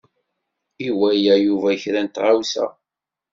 Iwala Yuba kra n tɣawsa.